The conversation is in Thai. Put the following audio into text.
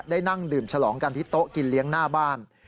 ได้นั่งดื่มฉลองกันที่โต๊ะกินเลี้ยงหน้าบ้าน